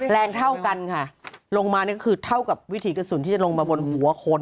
แรงเท่ากันค่ะลงมาเนี่ยก็คือเท่ากับวิถีกระสุนที่จะลงมาบนหัวคน